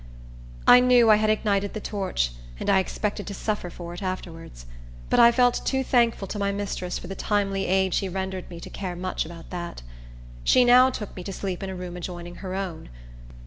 I knew I had ignited the torch, and I expected to suffer for it afterwards; but I felt too thankful to my mistress for the timely aid she rendered me to care much about that. She now took me to sleep in a room adjoining her own.